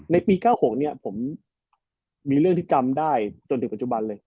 ในปี๙๖เนี่ยผมมีเรื่องที่จำได้จนถึงปัจจุบันเลย